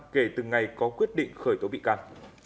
kể từ ngày có quyết định khởi tố bị can